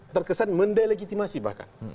terkesan mendelegitimasi bahkan